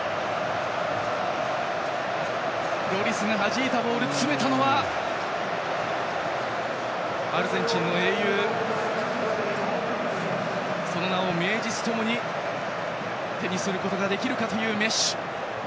ロリスがはじいたボールを詰めたのはアルゼンチンの英雄その名を名実ともに手にすることができるかというメッシ！